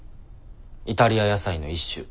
イタリア野菜の一種。